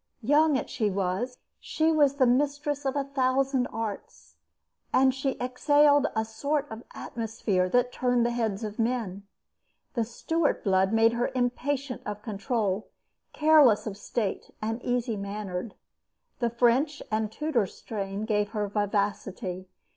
Young as she was, she was the mistress of a thousand arts, and she exhaled a sort of atmosphere that turned the heads of men. The Stuart blood made her impatient of control, careless of state, and easy mannered. The French and the Tudor strain gave her vivacity.